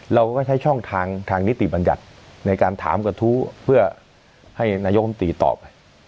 เราก็ใช้ช่องทางทางนิติบัญญัติในการถามกระทู้เพื่อให้นายกรรมตรีตอบไป